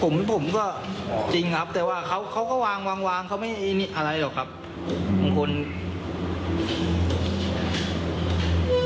ผมผมก็จริงครับแต่ว่าเขาเขาก็วางวางวางเขาไม่อะไรหรอกครับบางคน